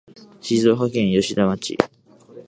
静岡県吉田町